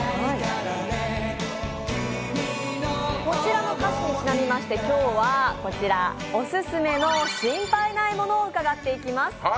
こちらの歌詞にちなみまして今日はオススメの心配ないものを伺っていきます。